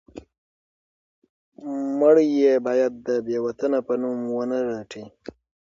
مړی یې باید د بې وطنه په نوم ونه رټي.